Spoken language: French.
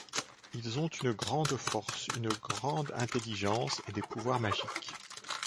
Ils ont une grande force, une grande intelligence et des pouvoirs magiques.